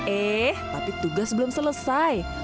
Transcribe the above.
eh tapi tugas belum selesai